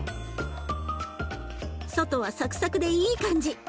外はサクサクでいい感じ！